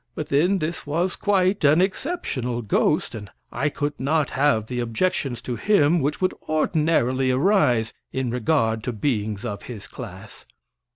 But, then, this was quite an exceptional ghost, and I could not have the objections to him which would ordinarily arise in regard to beings of his class.